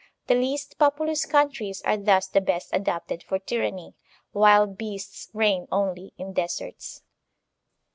The least popu lous countries are thus the best adapted for tyraimy; wild beasts reign only in deserts.